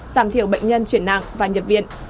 giảm thiểu bệnh nhân chuyển nặng và nhập viện